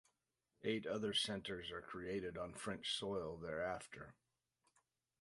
Eight other centers are created on French soil thereafter.